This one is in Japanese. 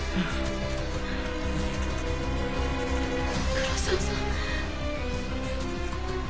黒澤さん。